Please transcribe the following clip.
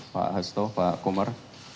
pak hasto pak komar